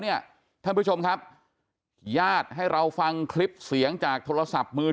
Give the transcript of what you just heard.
เนี่ยท่านผู้ชมครับญาติให้เราฟังคลิปเสียงจากโทรศัพท์มือ